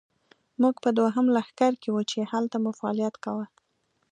موږ په دوهم لښکر کې وو، چې هلته مو فعالیت کاوه.